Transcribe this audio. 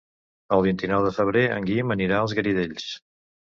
El vint-i-nou de febrer en Guim anirà als Garidells.